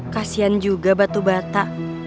kasian juga batu bata